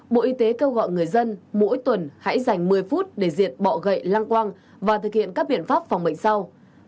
bộ y tế kêu gọi người dân mỗi tuần hãy dành một mươi phút để diệt bọ gậy lăng quang và thực hiện các biện pháp phòng bệnh sau